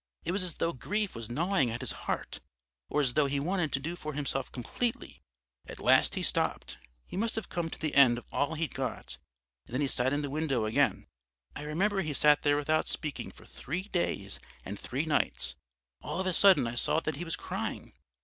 It was as though grief was gnawing at his heart, or as though he wanted to do for himself completely. At last he stopped; he must have come to the end of all he'd got, and then he sat in the window again. I remember he sat there without speaking for three days and three nights; all of a sudden I saw that he was crying.